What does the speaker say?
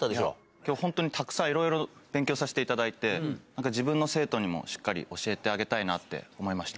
きょう本当にたくさんいろいろ勉強させていただいて、なんか自分の生徒にもしっかり教えてあげたいなって思いました。